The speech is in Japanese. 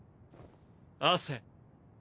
汗。